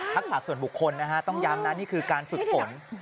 สอบส่วนบุคคลนะฮะต้องย้ำนะนี่คือการฝึกฝน